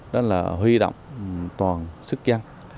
đó là huy động toàn sức dân